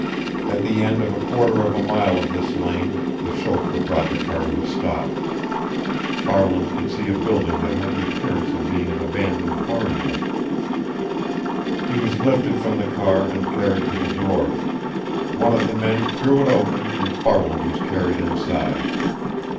At the end of a quarter of a mile of this lane, the chauffeur brought the car to a stop. Farland could see a building that had the appearance of being an abandoned farmhouse. He was lifted from the car and carried to the door. One of the men threw it open, and Farland was carried inside.